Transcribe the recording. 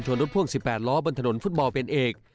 รถพ่วง๑๘ล้อบนถนนฟุตบอลเป็นเอก